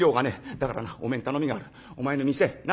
だからなお前に頼みがあるお前の店な？